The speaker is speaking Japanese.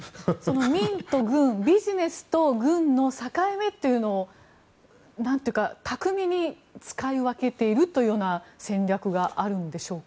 民と軍ビジネスと軍の境目というのが巧みに使い分けているという戦略があるんでしょうか？